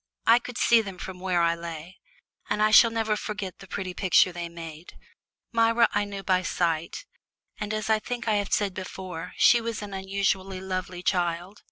I could see them from where I lay, and I shall never forget the pretty picture they made. Myra I knew by sight, and as I think I have said before, she was an unusually lovely child.